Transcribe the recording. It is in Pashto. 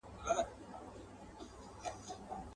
« پت پلورني» د يو ښکاره او څرګند